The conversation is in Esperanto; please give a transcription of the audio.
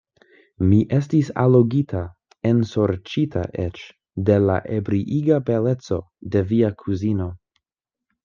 Mi estis allogita, ensorĉita eĉ de la ebriiga beleco de via kuzino.